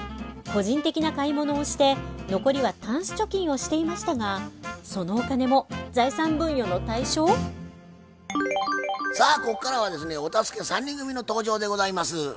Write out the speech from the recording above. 個人的な買い物をして残りはタンス貯金をしていましたがそのお金もさあここからはですねお助け３人組の登場でございます。